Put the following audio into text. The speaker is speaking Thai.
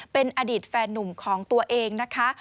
เป็นอดีตแฟนนุ่มของตัวเองนะคะ